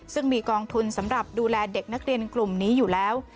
ซึ่งมีกองทุนสำหรับดูแลเด็กนักเรียนกลุ่มนี้อยู่แล้ว